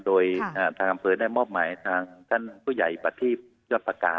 โดยทางอำเภอได้มอบหมายทางท่านผู้ใหญ่ประทีพยอดปากกา